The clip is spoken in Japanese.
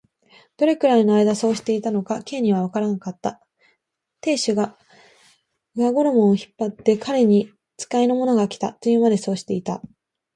どれくらいのあいだそうしていたのか、Ｋ にはわからなかった。亭主が上衣を引っ張って、彼に使いの者がきた、というまで、そうしていた。